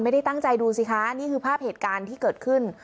ไม่ได้ตั้งใจดูสิคะนี่คือภาพเหตุการณ์ที่เกิดขึ้น